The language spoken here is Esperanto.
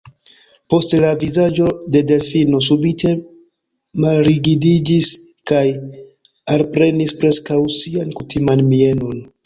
Poste la vizaĝo de Delfino subite malrigidiĝis kaj alprenis preskaŭ sian kutiman mienon.